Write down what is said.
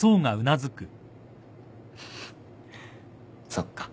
そっか。